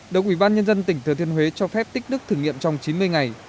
đồng ubnd tỉnh thừa thiên huế cho phép tích nước thử nghiệm trong chín mươi ngày